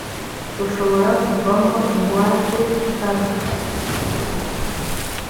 ushobora kuvamo ingwate isabwa